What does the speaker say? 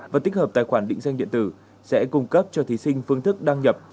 và tích hợp tài khoản định danh điện tử sẽ cung cấp cho thí sinh phương thức đăng nhập